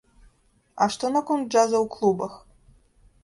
А што наконт джаза ў клубах?